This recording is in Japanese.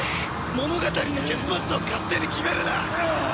物語の結末を勝手に決めるな！